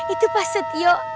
itu pak setio